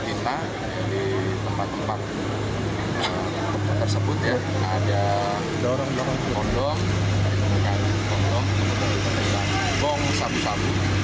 di tempat tersebut ya ada kondom kondom kondom sabu sabu